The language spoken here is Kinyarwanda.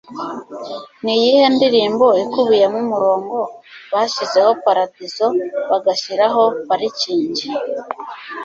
Niyihe ndirimbo ikubiyemo umurongo "bashizeho paradizo bagashyiraho parikingi"?